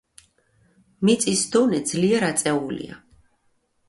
მიწის დონე ძლიერ აწეულია.